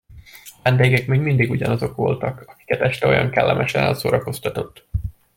A vendégek még mindig ugyanazok voltak, akiket este olyan kellemesen elszórakoztatott.